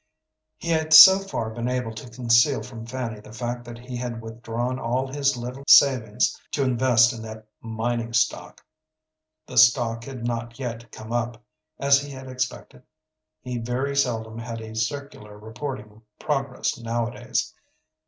He had so far been able to conceal from Fanny the fact that he had withdrawn all his little savings to invest in that mining stock. The stock had not yet come up, as he had expected. He very seldom had a circular reporting progress nowadays.